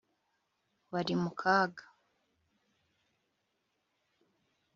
Wari mu kaga